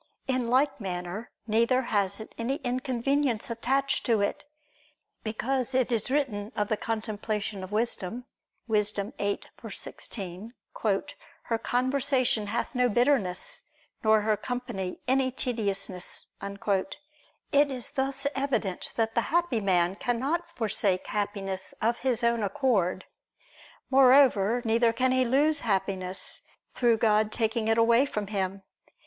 In like manner neither has it any inconvenience attached to it; because it is written of the contemplation of wisdom (Wis. 8:16): "Her conversation hath no bitterness, nor her company any tediousness." It is thus evident that the happy man cannot forsake Happiness of his own accord. Moreover, neither can he lose Happiness, through God taking it away from him.